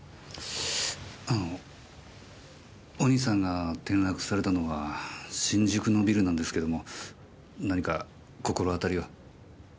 あのお兄さんが転落されたのは新宿のビルなんですけども何か心当たりは？